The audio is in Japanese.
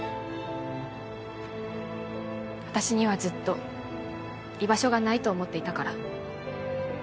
私にはずっと居場所がないと思っていたから。